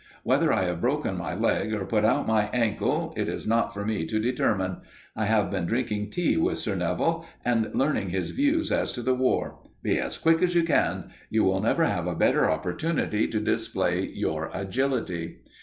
Whether I have broken my leg, or put out my ankle, it is not for me to determine. I have been drinking tea with Sir Neville and learning his views as to the War. Be as quick as you can. You will never have a better opportunity to display your agility.